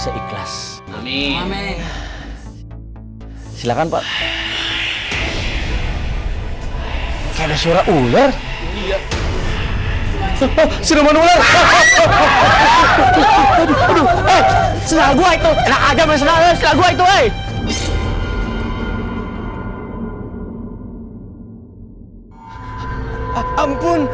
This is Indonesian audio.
aku akan menganggap